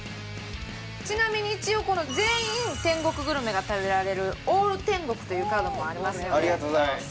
ちなみに一応全員天国グルメが食べられるＡＬＬ天国というカードもありますのでありがとうございます